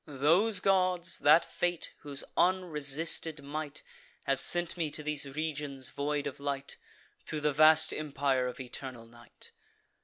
Those gods, that fate, whose unresisted might Have sent me to these regions void of light, Thro' the vast empire of eternal night.